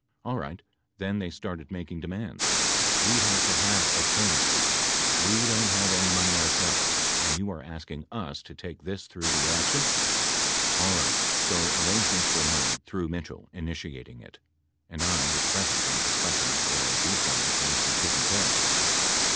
Alright, then they started making demands. "We have to have attorneys fees. We don't have any money ourselves, and you are asking us to take this through the election." Alright so arrangements were made through Mitchell, initiating it. And I was present in discus sions where these guys had to be taken care of.